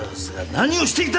何をしていた！